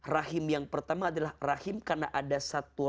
rahim yang pertama adalah rahim karena ada satu rahim yang berbeda dengan keluarga